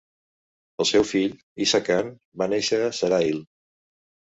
El seu fill, Isa Khan, va néixer a Sarail.